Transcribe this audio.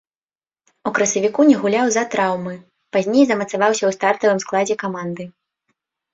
У красавіку не гуляў з-за траўмы, пазней замацаваўся ў стартавым складзе каманды.